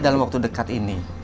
dalam waktu dekat ini